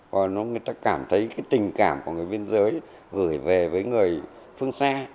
và người ta cảm thấy cái tình cảm của người biên giới gửi về với người phương xa